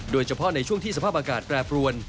โดยเฉพาะในช่วงที่สภาพอากาศแปรปรวน